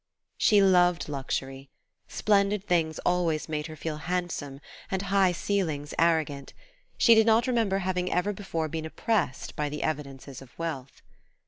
She loved luxury: splendid things always made her feel handsome and high ceilings arrogant; she did not remember having ever before been oppressed by the evidences of wealth.